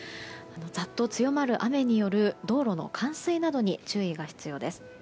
ざっと強まる雨による道路の冠水などに注意が必要です。